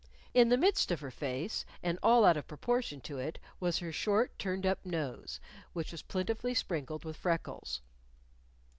In the midst of her face, and all out of proportion to it, was her short turned up nose, which was plentifully sprinkled with freckles.